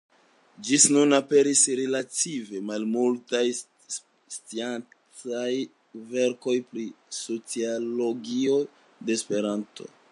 Ĝis nun aperis relative malmultaj sciencaj verkoj pri sociologio de Esperanto.